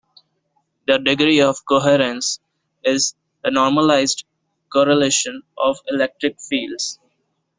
The degree of coherence is the normalized correlation of electric fields.